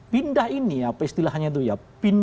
pindah ini apa istilahnya itu ya